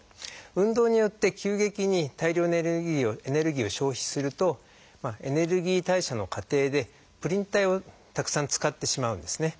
運動によって急激に大量にエネルギーを消費するとエネルギー代謝の過程でプリン体をたくさん使ってしまうんですね。